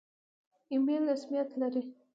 ایمیل رسمیت لري؟